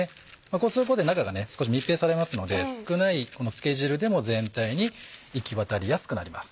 こうすることで中が密閉されますので少ない漬け汁でも全体に行き渡りやすくなります。